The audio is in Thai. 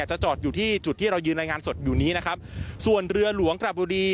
จะจอดอยู่ที่จุดที่เรายืนรายงานสดอยู่นี้นะครับส่วนเรือหลวงกระบุรี